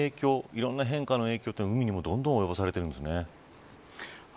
いろんな変化の影響が海にもどんどん及ぼされてるんですね。